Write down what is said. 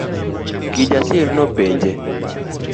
Kijasiri nopenje.